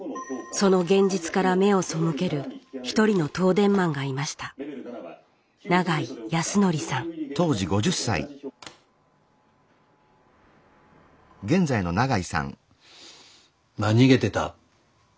その現実から目を背ける一人の東電マンがいましたまあ逃げてた。